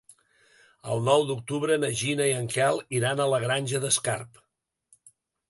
El nou d'octubre na Gina i en Quel iran a la Granja d'Escarp.